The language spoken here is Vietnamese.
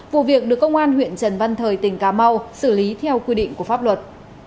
vụ việc được công an huyện trần văn thời tỉnh cà mau xử lý theo quy định của pháp luật